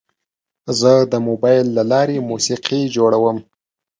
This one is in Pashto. زه د موبایل له لارې موسیقي جوړوم.